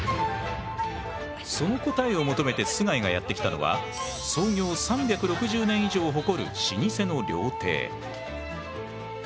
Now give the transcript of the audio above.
その答えを求めて須貝がやって来たのは創業３６０年以上を誇る老舗の料亭。